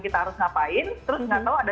kita harus ngapain terus nggak tahu ada